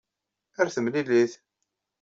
Ar timlilit.